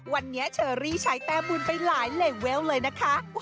วันนี้เชอรี่ใช้แต้มบุญไปหลายเลเวลเลยนะคะ